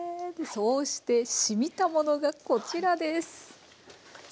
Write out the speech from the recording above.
そうしてしみたものがこちらです。